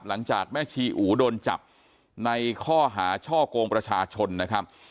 หลังจากแม่ชีอูโดนจับในข้อหาช่อกงประชาชนนะครับ